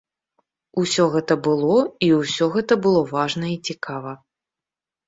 Усё гэта было, і ўсё гэта было важна і цікава.